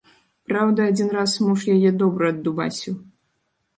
Праўда, адзін раз муж яе добра аддубасіў.